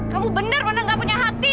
kamu bener mana gak punya hati